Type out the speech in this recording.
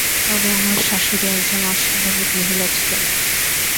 তবে আমার শাশুড়ি এক জন অস্বাভাবিক মহিলা ছিলেন।